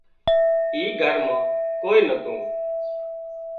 اي گھر مان ڪوئي نتون